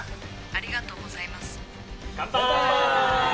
「ありがとうございます」乾杯！